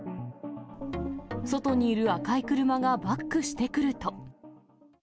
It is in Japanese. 外にいる赤い車がバックしてくると。